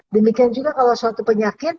demikian juga kalau suatu penyakit